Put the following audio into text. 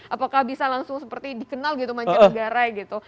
apakah bisa langsung seperti dikenal gitu manca negara gitu